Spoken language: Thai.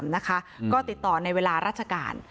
๐๗๖๔๙๑๓๕๓นะคะก็ติดต่อในเวลาราชการ